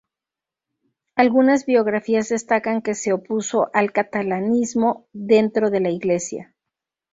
Algunas biografías destacan que se opuso al catalanismo dentro de la Iglesia.